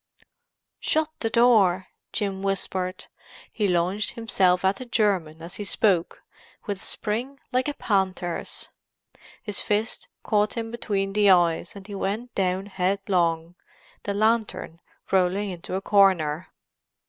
"Shut the door!" Jim whispered. He launched himself at the German as he spoke, with a spring like a panther's. His fist caught him between the eyes and he went down headlong, the lantern rolling into a corner.